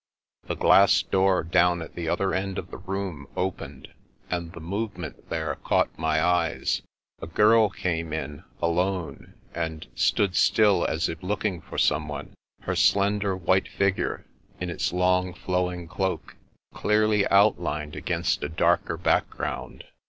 The glass door down at the other end of the room opened, and the movement there caught my eyes. A girl came in, alone, and stood still as if looking for someone — ^her slender white figure, in its long flowing cloak, clearly outlined against a darker badkground.